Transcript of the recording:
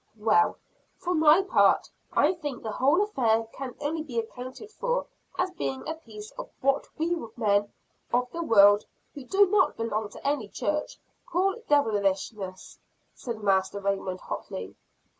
"Well, for my part, I think the whole affair can only be accounted for as being a piece of what we men of the world, who do not belong to any church, call devilishness," said Master Raymond hotly.